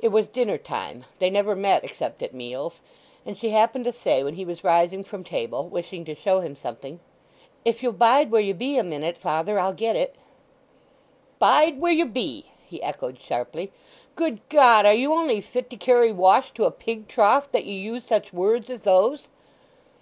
It was dinner time—they never met except at meals—and she happened to say when he was rising from table, wishing to show him something, "If you'll bide where you be a minute, father, I'll get it." "'Bide where you be,'" he echoed sharply, "Good God, are you only fit to carry wash to a pig trough, that ye use such words as those?"